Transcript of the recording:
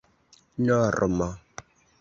normo